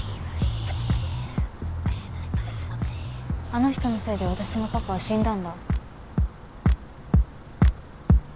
あの人のせいで私のパパは死んだんだ。